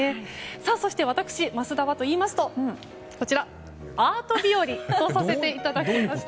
そして私桝田はといいますとアート日和とさせていただきました。